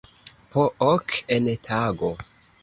Po ok en tago.